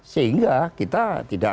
sehingga kita tidak